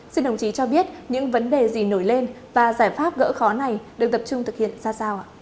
xin đồng chí cho biết những vấn đề gì nổi lên và giải pháp gỡ khó này được tập trung thực hiện ra sao ạ